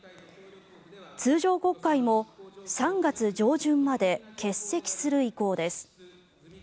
通常国会も３月上旬まで欠席する意向です。